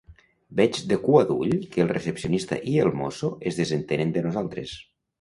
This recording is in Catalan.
Veig de cua d'ull que el recepcionista i el mosso es desentenen de nosaltres.